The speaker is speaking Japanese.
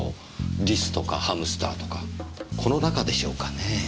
リスとかハムスターとかこの中でしょうかねぇ？